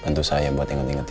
bantu saya buat inget inget